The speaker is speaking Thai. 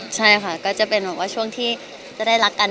ใช่ค่ะก็จะเป็นแบบว่าช่วงที่จะได้รักกัน